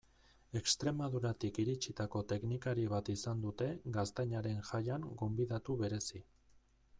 Extremaduratik iritsitako teknikari bat izan dute Gaztainaren Jaian gonbidatu berezi.